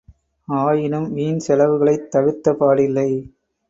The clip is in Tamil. ஆயினும், வீண் செலவுகளைத் தவிர்த்த பாடில்லை.